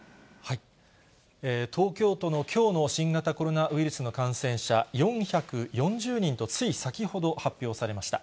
東京都のきょうの新型コロナウイルスの感染者、４４０人と、つい先ほど発表されました。